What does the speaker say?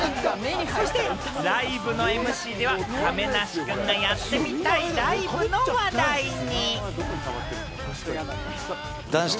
そしてライブのＭＣでは亀梨君がやってみたいライブの話題に。